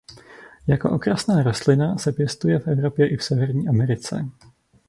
Jako okrasná rostlina se pěstuje v Evropě i v Severní Americe.